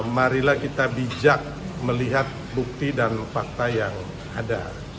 marilah kita bijak melihat bukti dan fakta yang ada